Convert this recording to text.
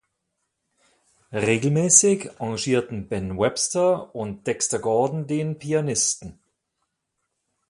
Regelmäßig engagierten Ben Webster und Dexter Gordon den Pianisten.